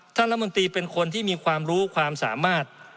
รัฐมนตรีเป็นคนที่มีความรู้ความสามารถ